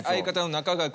中川君！